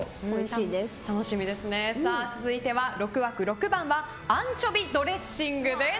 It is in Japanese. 続いては、６枠６番はアンチョビドレッシングです。